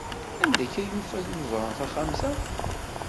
Anda akka i yufa Yuba taxatemt-a?